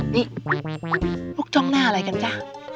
นี่ลูกจ้องหน้าอะไรกันจ๊ะ